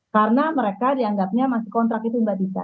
karena mereka dianggapnya masih kontrak itu mbak disa